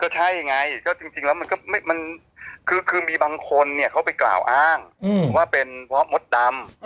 ใช่ไงก็จริงแล้วมันคือมีบางคนเนี่ยเขาไปกล่าวอ้างว่าเป็นเพราะมดดำ